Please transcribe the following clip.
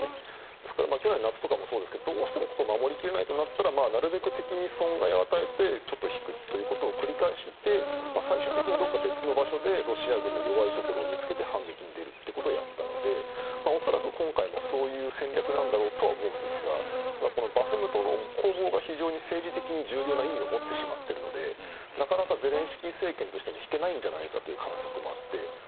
ですから、去年夏とかもそうですけど、どうしても守り切れないとなったらなるべく敵に損害を与えてちょっと引くということを繰り返して最終的に、どこか別の場所でロシア軍の弱いところを見つけて反撃に出るということをやったので恐らく、今回もそういう戦略なんだろうと思うんですがバフムトの攻防が非常に政治的に重要な意味を持ってしまっているのでゼレンスキー政権としても引けないんじゃないかという観測もあって。